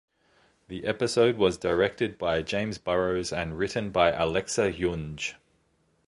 The episode was directed by James Burrows and written by Alexa Junge.